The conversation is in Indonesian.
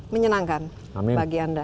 menyenangkan bagi anda